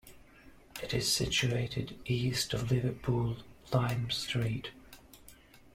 It is situated east of Liverpool Lime Street.